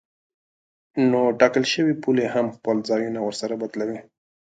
نو ټاکل شوې پولې هم خپل ځایونه ورسره بدلوي.